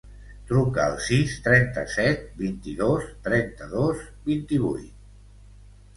Truca al sis, trenta-set, vint-i-dos, trenta-dos, vint-i-vuit.